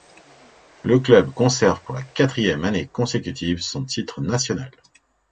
Le club conserve pour la quatrième année consécutive son titre national.